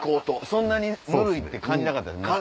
そんなにぬるいって感じなかったですね。